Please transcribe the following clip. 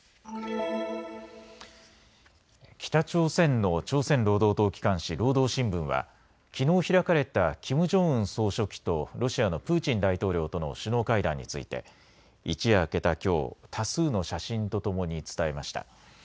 北朝鮮の朝鮮労働党機関紙、労働新聞はきのう開かれたキム・ジョンウン総書記とロシアのプーチン大統領との首脳会談について一夜明けたきょう、多数の写真とともに伝えました。